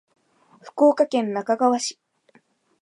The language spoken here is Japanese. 福岡県那珂川市